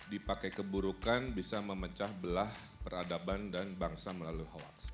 dipakai keburukan bisa memecah belah peradaban dan bangsa melalui hoax